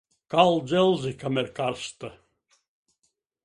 Kal dzelzi, kamēr karsta.